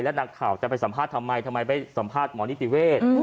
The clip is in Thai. นักข่าวจะไปสัมภาษณ์ทำไมทำไมไปสัมภาษณ์หมอนิติเวทย์